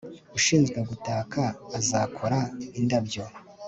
Ushinzwe gutaka azakora indabyo